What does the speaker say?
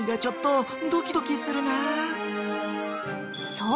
［そう］